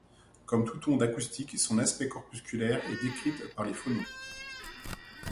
Comme toute onde acoustique, son aspect corpusculaire est décrite par les phonons.